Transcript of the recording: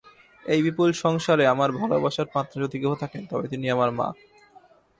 এই বিপুল সংসারে আমার ভালবাসার পাত্র যদি কেহ থাকেন, তবে তিনি আমার মা।